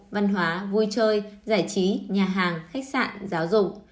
văn hóa vui chơi giải trí nhà hàng khách sạn giáo dục